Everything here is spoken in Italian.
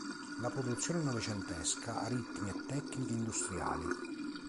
La produzione novecentesca ha ritmi e tecniche industriali.